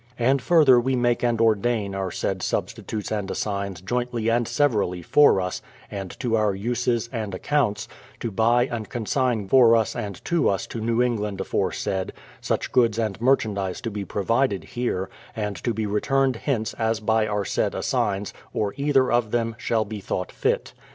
And further we make and ordain our said substitutes and assigns jointly and severally for us, and to our uses, and accounts, to buy and consign for us and to us to New England aforesaid, such goods and merchandise to be provided here, and to be returned hence as by our said assigns, or either of them, shall be thought fit.